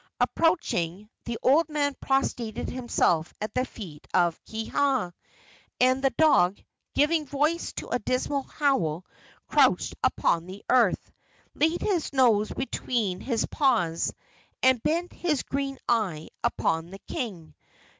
Approaching, the old man prostrated himself at the feet of Kiha, and the dog, giving voice to a dismal howl, crouched upon the earth, laid his nose between his paws, and bent his green eye upon the king.